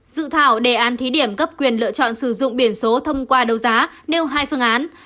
dự thảo đề án thí điểm cấp quyền lựa chọn sử dụng biển số thông qua đấu giá nêu hai phương án